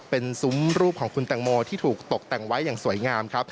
เป็นซุ้มรูปของคุณแตงโมที่ถูกตกแต่งไว้อย่างสวยงามครับ